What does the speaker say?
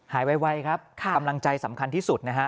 ไวครับกำลังใจสำคัญที่สุดนะฮะ